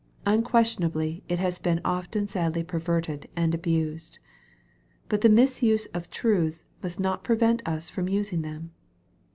Unquestionably it has been often sadly perverted and abused. But the misuse of truths must not prevent us from using them.